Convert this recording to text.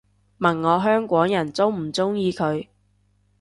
問我香港人鍾唔鍾意佢